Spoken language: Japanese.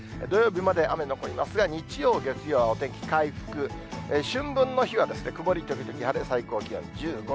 土曜日まで雨残りますが、日曜、月曜はお天気回復、春分の日は曇り時々晴れ、最高気温１５度。